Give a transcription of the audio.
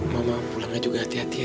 mama pulangnya juga hati hati ya